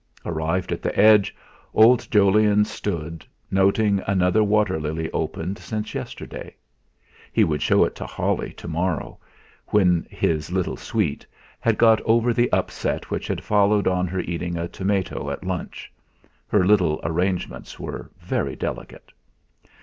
Arrived at the edge, old Jolyon stood, noting another water lily opened since yesterday; he would show it to Holly to morrow, when 'his little sweet' had got over the upset which had followed on her eating a tomato at lunch her little arrangements were very delicate.